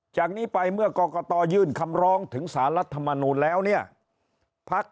จากนี้ไปเมื่อกรกตยื่นคำร้องถึงสารรัฐมนูลแล้วเนี่ยพัก